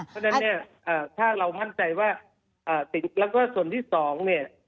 เพราะฉะนั้นถ้าเรามั่นใจว่าส่วนที่สอง